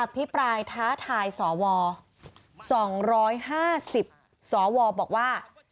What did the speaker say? พิปรายท้าทายสว๒๕๐สวบอกว่า